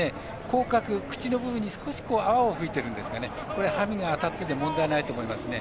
口角、口の部分に少し泡を吹いているんですがこれは、馬銜が当たってて問題ないと思いますね。